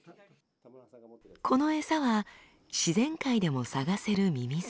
この餌は自然界でも探せるミミズ。